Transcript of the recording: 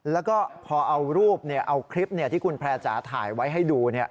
แล้วก็พอเอารูปเอาคลิปที่คุณแพร่จ๋าถ่ายไว้ให้ดู